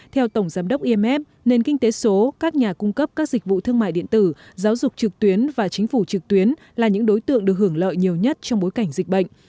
theo tổng giám đốc imf nền kinh tế số các nhà cung cấp các dịch vụ thương mại điện tử giáo dục trực tuyến và chính phủ trực tuyến là những đối tượng được hưởng lợi nhiều nhất trong bối cảnh dịch bệnh